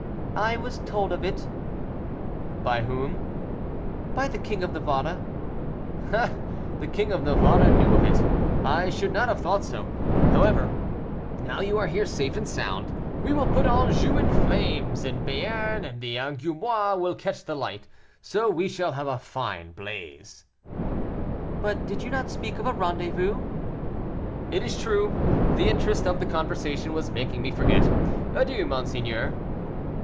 "I was told of it." "By whom?" "By the King of Navarre." "Ah! the King of Navarre knew of it; I should not have thought so. However, now you are here safe and sound, we will put Anjou in flames, and Béarn and Angoumois will catch the light, so we shall have a fine blaze." "But did you not speak of a rendezvous?" "It is true; the interest of the conversation was making me forget. Adieu, monseigneur."